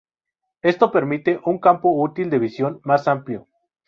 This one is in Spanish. Esto permite un campo útil de visión más amplio.